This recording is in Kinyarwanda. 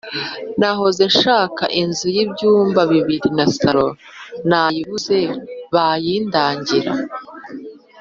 Nahoze ndigushaka inzu yibyumba bibiri nasaro nayibuze bayindangira